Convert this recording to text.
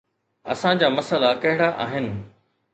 اسان جا مسئلا ڪهڙا آهن؟